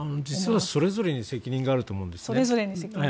実はそれぞれに責任があると思うんですね。